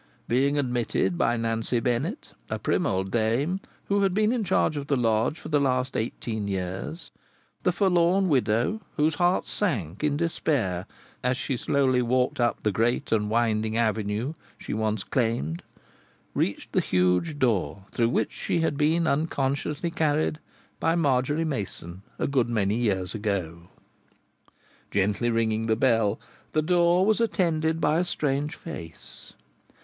Being admitted by Nancy Bennet, a prim old dame, who had been in charge of the lodge for the last eighteen years, the forlorn widow, whose heart sank in despair as she slowly walked up the great and winding avenue she once claimed, reached the huge door through which she had been unconsciously carried by Marjory Mason a good many years ago. Gently ringing the bell, the door was attended by a strange face.